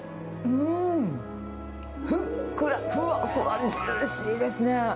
うーん、ふっくら、ふわふわ、ジューシーですね。